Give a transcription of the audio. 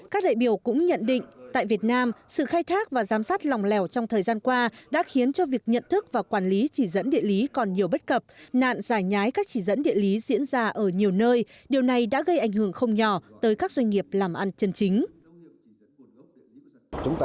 các đại biểu cũng nhận định tại việt nam sự khai thác và giám sát lòng lẻo trong thời gian qua đã khiến cho việc nhận thức và quản lý chỉ dẫn địa lý còn nhiều bất cập nạn giải nhái các chỉ dẫn địa lý diễn ra ở nhiều nơi điều này đã gây ảnh hưởng không nhỏ tới các doanh nghiệp làm ăn chân chính